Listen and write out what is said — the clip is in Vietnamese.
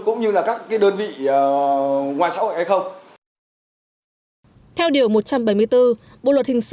cũng như là các cái đơn vị ngoài xã hội hay không